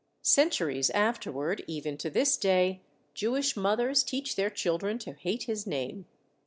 Centuries afterward, even to this day, Jewish mothers teach their children to hate his name.